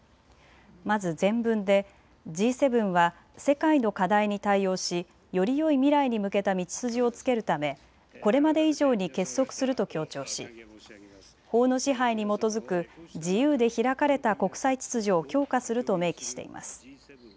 まず前文でＧ７は世界の課題に対応しよりよい未来に向けた道筋をつけるためこれまで以上に結束すると強調し法の支配に基づく自由で開かれた国際秩序を強化すると明記しています。